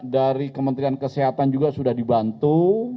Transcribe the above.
dari kementerian kesehatan juga sudah dibantu